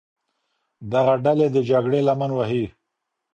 دغه ډلې د جګړې لمن وهي.